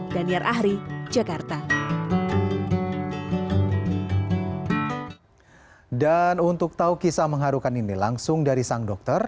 dan untuk tahu kisah mengharukan ini langsung dari sang dokter